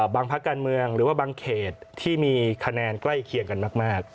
พักการเมืองหรือว่าบางเขตที่มีคะแนนใกล้เคียงกันมาก